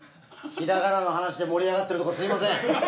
ひらがなの話で盛り上がってるとこすみません！